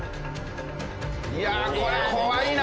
いやあこれ怖いな。